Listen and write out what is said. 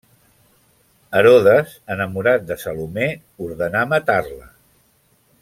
Herodes, enamorat de Salomé, ordena matar-la.